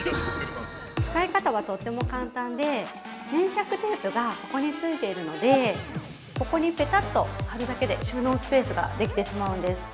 ◆使い方はとっても簡単で、粘着テープがここに付いているので、ここにぺたっと貼るだけで収納スペースができてしまうんです。